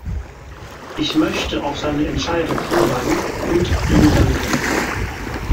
Ich möchte auf seine Entscheidung hinweisen und ihm danken.